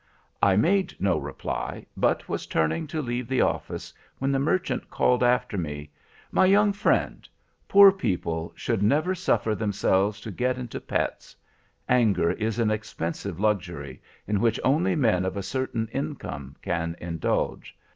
"I made no reply, but was turning to leave the office, when the merchant called after me— "'My young friend, poor people should never suffer themselves to get into pets. Anger is an expensive luxury, in which only men of a certain income can indulge.